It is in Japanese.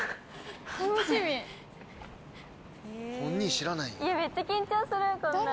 本人知らないんだ。